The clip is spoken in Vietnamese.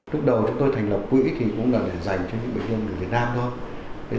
lúc đầu chúng tôi thành lập quỹ thì cũng là phải dành cho những bệnh nhân người việt nam thôi